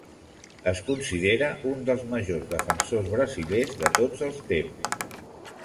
Es considera un dels majors defensors brasilers de tots els temps.